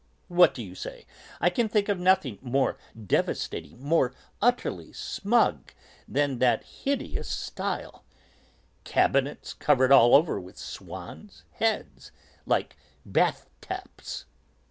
What do you say? I can think of nothing more devastating, more utterly smug than that hideous style cabinets covered all over with swans' heads, like bath taps!"